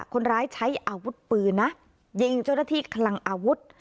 คนร้ายใช้อาวุธปืนนะยิงเจ้าหน้าที่คลังอาวุธ